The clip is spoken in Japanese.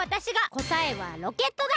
こたえはロケットだ！